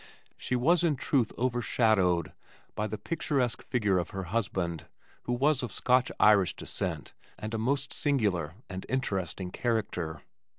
She was in truth overshadowed by the picturesque figure of her husband who was of Scotch Irish descent and a most singular and interesting character.